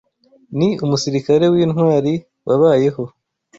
Ni umusirikare wintwari wabayeho.